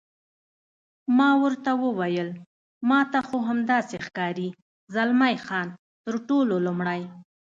ما ورته وویل: ما ته خو همداسې ښکاري، زلمی خان: تر ټولو لومړی.